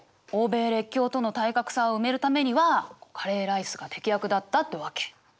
欧米列強との体格差を埋めるためにはカレーライスが適役だったってわけ。